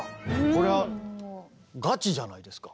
こりゃあガチじゃないですか。